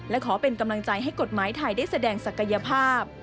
และขอเป็นกำลังใจให้กฎหมายไทยได้แสดงศักยภาพ